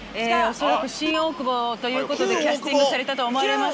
恐らく新大久保ということでキャスティングされたと思われます